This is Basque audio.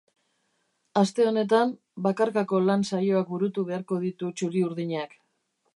Aste honetan, bakarkako lan saioak burutu beharko ditu txuri-urdinak.